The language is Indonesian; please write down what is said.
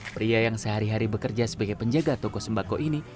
pria yang sehari hari bekerja sebagai penjaga toko sembako ini